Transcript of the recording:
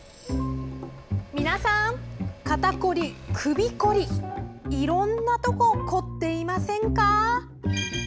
皆さん、肩凝り、首凝りいろんなとこ凝っていませんか？